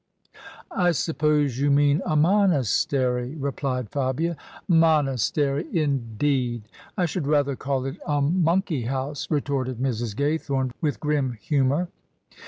" I suppose you mean a monastery? " replied Fabia. " Monastery, indeed! I should rather call it a monkey* house," retorted Mrs. Gaythome, with grim humour.